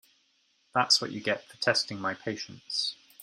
That’s what you get for testing my patience.